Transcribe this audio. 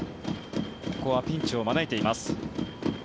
ここはピンチを招いています。